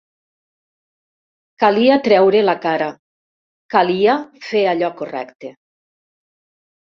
Calia traure la cara, calia fer allò correcte.